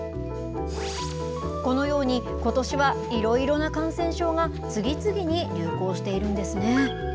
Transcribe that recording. このようにことしはいろいろな感染症が次々に流行しているんですね。